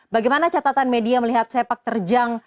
bagaimana catatan media melihat sepak terjang